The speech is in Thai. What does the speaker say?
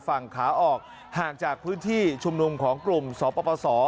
ฝั่งขาออกห่างจากพื้นที่ชุมนุมของกลุ่มสปส